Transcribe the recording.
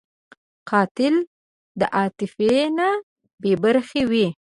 قاتل د عاطفې نه بېبرخې وي